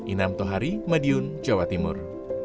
inam tohari madiun jawa timur